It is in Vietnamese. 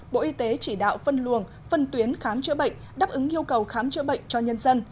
bộ y tế chỉ đạo phân luồng phân tuyến khám chữa bệnh đáp ứng yêu cầu khám chữa bệnh cho nhân dân